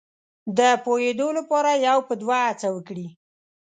د پوهېدو لپاره یو په دوه هڅه وکړي.